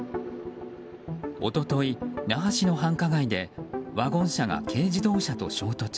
一昨日、那覇市の繁華街でワゴン車と軽自動車が衝突。